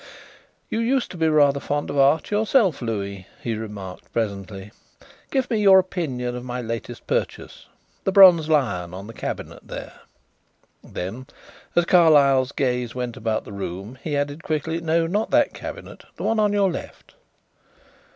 "You used to be rather fond of art yourself, Louis," he remarked presently. "Give me your opinion of my latest purchase the bronze lion on the cabinet there." Then, as Carlyle's gaze went about the room, he added quickly: "No, not that cabinet the one on your left."